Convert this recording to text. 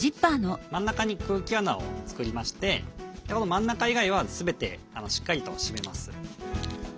真ん中に空気穴を作りましてこの真ん中以外は全てしっかりと締めます。